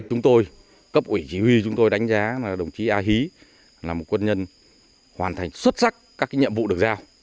chúng tôi cấp ủy chỉ huy chúng tôi đánh giá là đồng chí a hí là một quân nhân hoàn thành xuất sắc các nhiệm vụ được giao